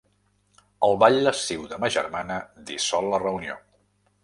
El ball lasciu de ma germana dissol la reunió.